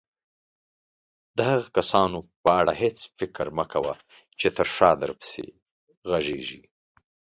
د هغه کسانو په اړه هيڅ فکر مه کوه چې تر شاه درپسې غږيږي.